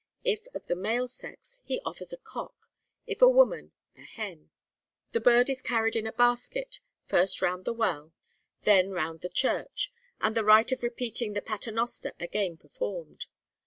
If of the male sex, he offers a cock; if a woman, a hen. The bird is carried in a basket, first round the well, then round the church, and the rite of repeating the Pater Noster again performed.